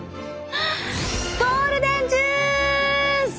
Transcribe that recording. ゴールデンジュース！